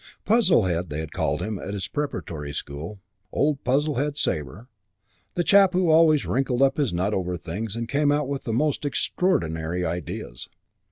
VII "Puzzlehead" they had called him at his preparatory school, Old Puzzlehead Sabre, the chap who always wrinkled up his nut over things and came out with the most extraordinary ideas.